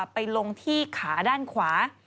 ไปลงที่ขาด้านขวา